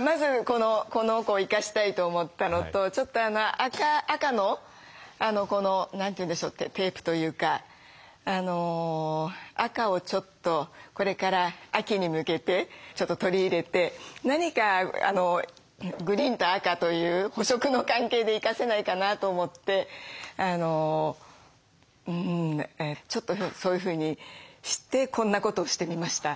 まずこの子を生かしたいと思ったのとちょっと赤のこの何て言うんでしょうテープというか赤をちょっとこれから秋に向けてちょっと取り入れて何かグリーンと赤という補色の関係で生かせないかなと思ってちょっとそういうふうにしてこんなことをしてみました。